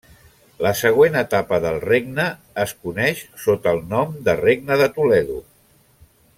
La següent etapa del regne es coneix sota el nom de Regne de Toledo.